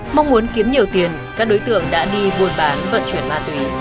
mong muốn kiếm nhiều tiền các đối tượng đã đi buôn bán vật chuyển ma tùy